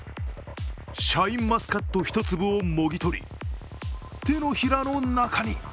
シャインマスカット１粒をもぎ取り、手のひらの中に。